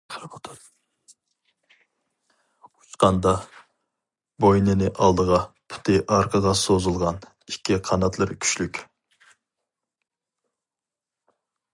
ئۇچقاندا بوينىنى ئالدىغا، پۇتى ئارقىغا سوزۇلغان، ئىككى قاناتلىرى كۈچلۈك.